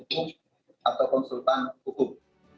jebatannya selaku advokat atau konsultan hukum